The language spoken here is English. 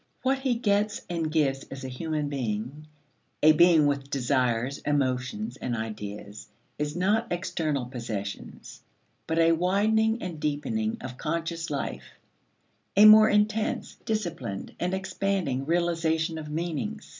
What he gets and gives as a human being, a being with desires, emotions, and ideas, is not external possessions, but a widening and deepening of conscious life a more intense, disciplined, and expanding realization of meanings.